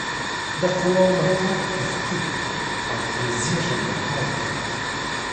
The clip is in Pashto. د قواوو مطلق تفکیک او ترې زېږنده پایلې